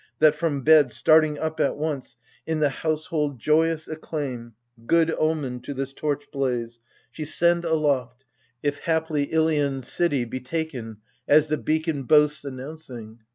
That, from bed starting up at once, i' the household Joyous acclaim, good omened to this torch blaze, AGAMEMNON. 5 She send aloft, if haply Ilion's city Be taken, as the beacon boasts announcing.